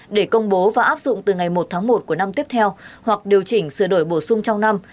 để công bố và áp dụng từ ngày một tháng một của năm tiếp theo hoặc điều chỉnh sửa đổi bổ sung trong năm